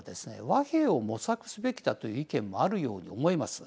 和平を模索すべきだという意見もあるように思います。